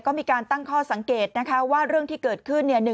ก็มีการตั้งข้อสังเกตนะคะว่าเรื่องที่เกิดขึ้น